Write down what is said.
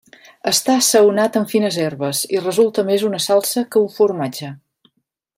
Està assaonat amb fines herbes i resulta més una salsa que un formatge.